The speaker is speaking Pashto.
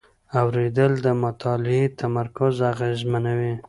اورېدل د مطالعې تمرکز اغېزمنوي.